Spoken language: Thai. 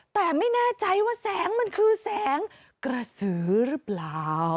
แต่ไม่แน่ใจว่าแสงมันคือแสงกระสือหรือเปล่า